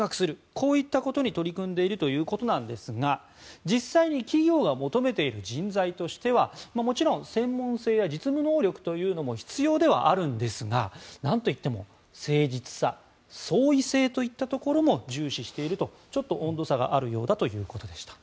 こういったことに取り組んでいるということなんですが実際に企業が求めている人材としてはもちろん専門性や実務能力というのも必要ではあるんですがなんといっても誠実さ、創意性といったところも重視しているとちょっと温度差があるようだということでした。